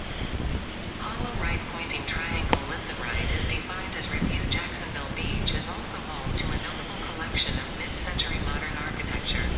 Jacksonville Beach is also home to a notable collection of Mid-Century modern architecture.